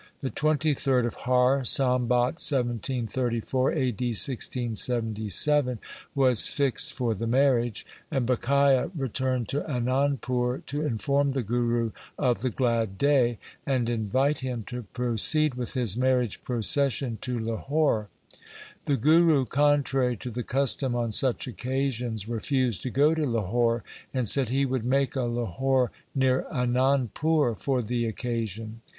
The twenty third of Har, Sambat 1734 (a. d. 1677), was fixed for the marriage, and Bhikhia returned to Anandpur to inform the Guru of the glad day, and invite him to proceed with his marriage procession to Lahore. The Guru, contrary to the custom on such occasions, refused to go to Lahore, and said he would make a Lahore near Anandpur for the occa sion.